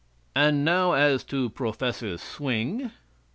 "And now as to Prof. Swing?"